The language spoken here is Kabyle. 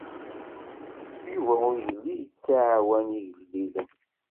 Yuba ur yelli yettɛawan igellilen.